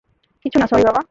কিছু না, সরি, বাবা।